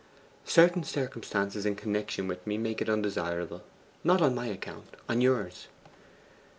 'Certain circumstances in connection with me make it undesirable. Not on my account; on yours.